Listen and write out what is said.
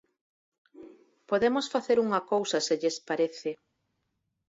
Podemos facer unha cousa se lles parece.